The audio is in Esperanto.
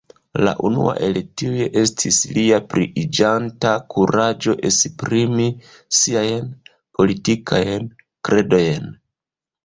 La unua el tiuj estis lia pliiĝanta kuraĝo esprimi siajn politikajn kredojn.